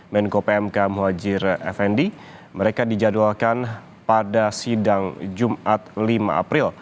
menko pmk muhajir effendi mereka dijadwalkan pada sidang jumat lima april